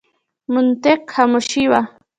مطلق خاموشي وه .